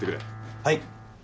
はい。